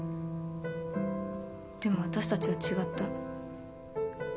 でも私たちは違った。